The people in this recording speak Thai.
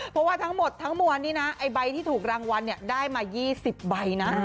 เพราะว่าทั้งหมดทั้งมวลนี้นะไอ้ใบที่ถูกรางวัลได้มา๒๐ใบนะ